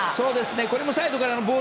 これもサイドからのボール